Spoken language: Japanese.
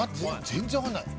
全然分かんない。